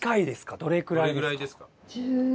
どれくらいですか？